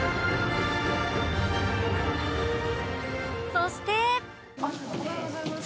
そしてあっおはようございます。